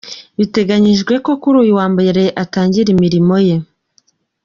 Biteganyijwe ko kuri uyu wa Mbere atangira imirimo ye.